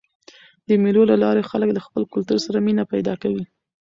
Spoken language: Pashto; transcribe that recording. د مېلو له لاري خلک له خپل کلتور سره مینه پیدا کوي.